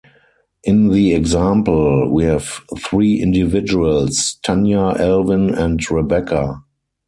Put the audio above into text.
In the example, we have three individuals: Tanya, Alvin, and Rebecca.